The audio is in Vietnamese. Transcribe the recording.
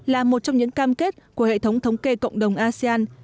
là một trong những cam kết của hệ thống thống kê cộng đồng asean